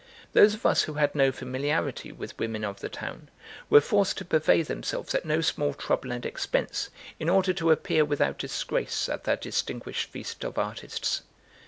Those of us who had no familiarity with women of the town, were forced to purvey themselves at no small trouble and expense, in order to appear without disgrace at that distinguished feast of artists.